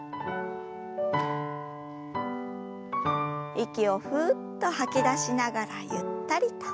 息をふっと吐き出しながらゆったりと。